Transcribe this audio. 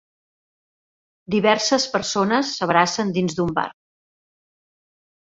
Diverses persones s'abracen dins d'un bar.